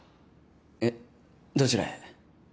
えっ？どちらへ？